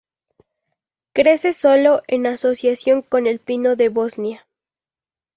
Crece solo en asociación con el pino de Bosnia.